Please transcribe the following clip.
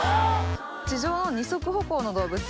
地上の二足歩行の動物。